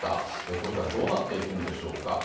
これからどうなっていくんでしょうか。